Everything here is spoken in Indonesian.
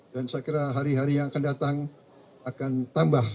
dan saya kira hari hari yang akan datang akan tambah